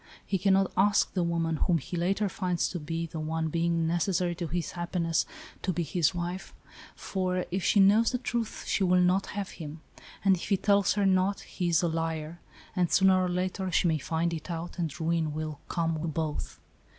He cannot ask the woman, whom he later finds to be the one being necessary to his happi ness, to be his wife, for, if she knows the truth she will not have him, and if he tells her not, he is a liar, and sooner or later she may find it out, and ruin will come to both.